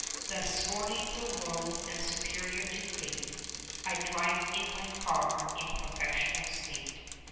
10 Thus scorning the world, and superior to fate, I drive in my car in professional state.